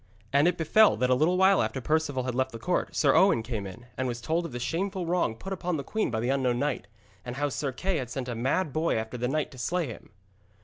And it befell that a little while after Perceval had left the court, Sir Owen came in, and was told of the shameful wrong put upon the queen by the unknown knight, and how Sir Kay had sent a mad boy after the knight to slay him.